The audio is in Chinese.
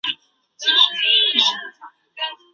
不久即辞官。